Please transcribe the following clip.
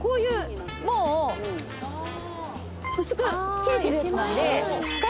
もう薄く切れてるやつなんで。